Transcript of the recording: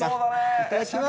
いただきます。